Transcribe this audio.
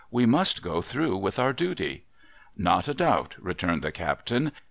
\\"q. must go through with our duty.' ' Not a doubt,' returned the captain.